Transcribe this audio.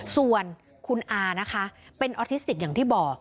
ส่วนคุณอานะคะเป็นออทิสติกอย่างที่บอก